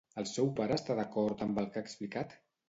El seu pare està d'acord amb el que ha explicat?